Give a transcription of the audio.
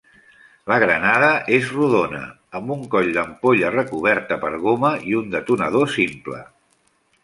La granada res rodona, amb un coll d'ampolla recoberta per goma i un detonador simple.